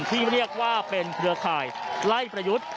ที่เรียกว่าเป็นเครือข่ายไล่ประยุทธ์